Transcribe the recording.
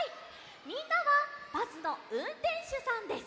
みんなはバスのうんてんしゅさんです。